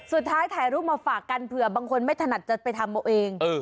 สุดท้ายถ่ายรูปมาฝากกันเผื่อบางคนไม่ถนัดจะไปทำเอาเอง